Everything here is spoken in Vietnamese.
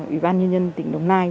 ủy ban nhân dân tỉnh đồng nai